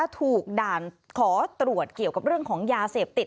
ถูกด่านขอตรวจเกี่ยวกับเรื่องของยาเสพติด